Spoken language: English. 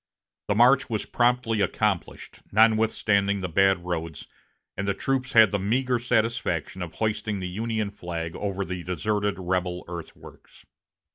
The march was promptly accomplished, notwithstanding the bad roads, and the troops had the meager satisfaction of hoisting the Union flag over the deserted rebel earthworks.